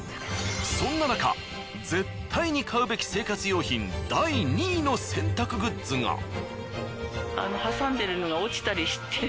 そんななか絶対に買うべき生活用品第２位の洗濯グッズが。